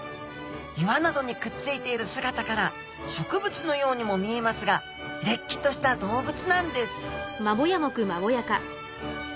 岩などにくっついている姿から植物のようにも見えますがれっきとした動物なんです